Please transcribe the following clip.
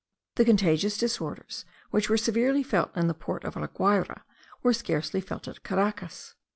The contagious disorders which were severely felt in the port of La Guayra, were scarcely felt at Caracas.